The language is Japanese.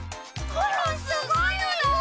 コロンすごいのだ！